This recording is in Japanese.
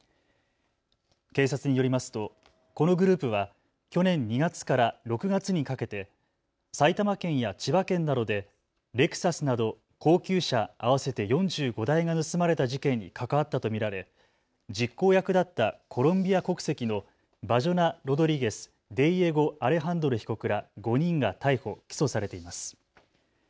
警察によりますとこのグループは去年２月から６月にかけて埼玉県や千葉県などでレクサスなど高級車合わせて４５台が盗まれた事件に関わったと見られ実行役だったコロンビア国籍のバジョナ・ロドリゲス・デイエゴ・アレハンドロ被告ら５人が逮捕・起訴されています。